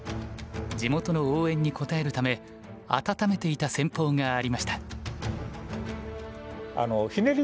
地元の応援に応えるため温めていた戦法がありました。